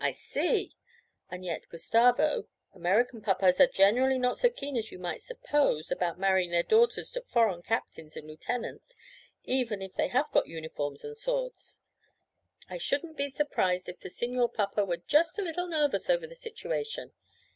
'I see! And yet, Gustavo, American papas are generally not so keen as you might suppose about marrying their daughters to foreign captains and lieutenants even if they have got uniforms and swords. I shouldn't be surprised if the Signor Papa were just a little nervous over the situation.